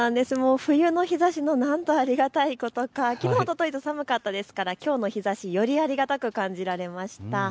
冬の日ざしのなんとありがたいことか、きのうおとといと寒かったですからきょうの日ざし、よりありがたく感じられました。